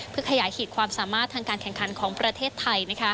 เพื่อขยายขีดความสามารถทางการแข่งขันของประเทศไทย